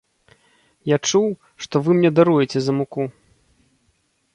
Я чуў, што вы мне даруеце за муку.